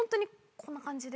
こんな感じで。